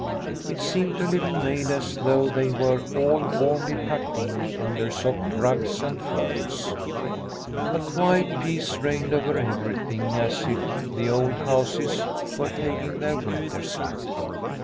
It seemed to Little Maid as though they were all warmly tucked in under soft rugs and furs. A quiet peace reigned over everything as if the old houses were taking their winter sleep.